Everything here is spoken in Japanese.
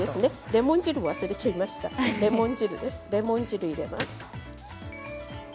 レモン汁を入れます。